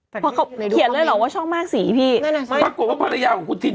เพราะเขาเขียนเลยเหรอว่าช่องมากสีพี่แปลกว่าฝรรยาของคุณเธน